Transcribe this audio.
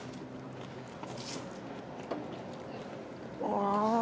うわ。